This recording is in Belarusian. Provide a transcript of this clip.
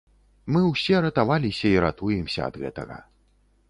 Мы ўсе ратаваліся і ратуемся ад гэтага.